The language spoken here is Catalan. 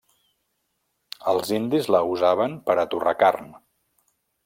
Els indis la usaven per a torrar carn.